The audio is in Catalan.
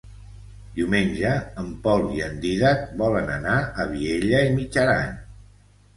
Diumenge en Pol i en Dídac volen anar a Vielha e Mijaran.